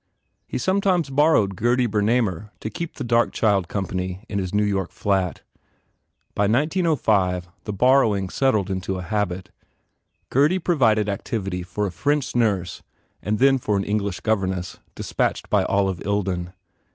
He sometimes borrowed Gurdy Bcrnamer to keep the dark child company in his New York flat. By 1905 the borrowing settled into a habit. Gurdy provided activity for a French nurse and then for an English governess despatched by Olive Ilden.